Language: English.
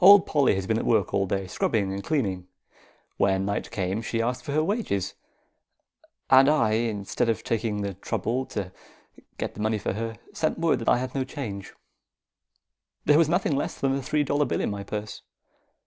Old Polly has been at work all day, scrubbing and cleaning. When night came, she asked for her wages, and I, instead of taking the trouble to get the money for her, sent her word that I hadn't the change. There was nothing less than a three dollar bill in my purse.